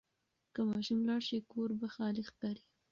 که ماشوم لاړ شي، کور به خالي ښکاري.